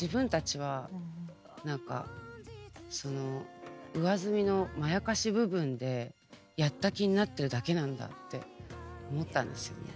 自分たちは何かその上澄みのまやかし部分でやった気になってるだけなんだって思ったんですよね。